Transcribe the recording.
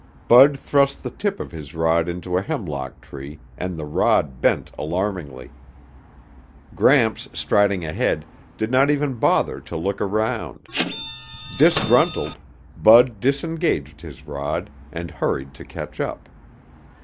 Bud thrust the tip of his rod into a hemlock tree and the rod bent alarmingly. Gramps, striding ahead, did not even bother to look around. Disgruntled, Bud disengaged his rod and hurried to catch up.